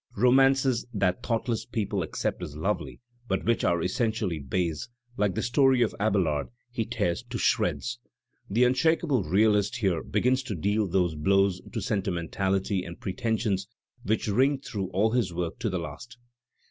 Romances that thoughtless people accept as lovely but which are essentially base, like the story of Abelard, he tears to shreds. The unshakable realist here begins to deal those blows to sentimentality and pretension which ring through Digitized by Google 252 THE SPIRIT OF AMERICAN LITERATURE aU his work to the last.